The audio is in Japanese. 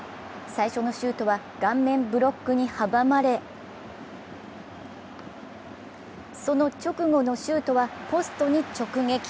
最初のシュートは顔面ブロックに阻まれその直後のシュートはポストに直撃。